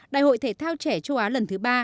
đại hội thể thao trẻ châu á lần thứ ba